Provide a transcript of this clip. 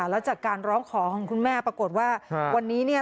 แล้วจากการร้องขอของคุณแม่ปรากฏว่าวันนี้เนี่ย